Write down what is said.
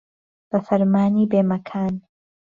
به فهرمانی بێمەکان